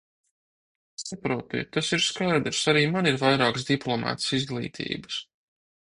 Saprotiet, tas ir skaidrs, arī man ir vairākas diplomētas izglītības.